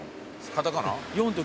カタカナ？